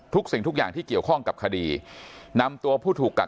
สิ่งทุกอย่างที่เกี่ยวข้องกับคดีนำตัวผู้ถูกกัก